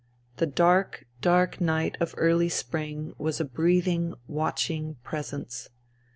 The dark, dark night of early spring was a breathing, watching presence.